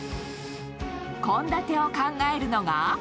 献立を考えるのが。